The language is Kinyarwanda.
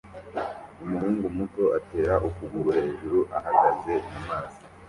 Umuhungu muto atera ukuguru hejuru ahagaze mumazi